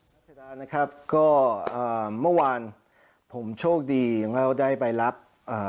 หัววานก็อ่าเมื่อวานผมโชคดีเราได้ไปรับเอ่อ